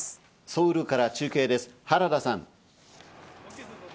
ソウルから中継です、原田さん。